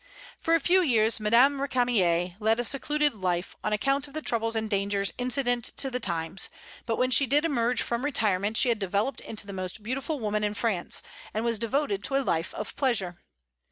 For a few years Madame Récamier led a secluded life, on account of the troubles and dangers incident to the times, but when she did emerge from retirement she had developed into the most beautiful woman in France, and was devoted to a life of pleasure.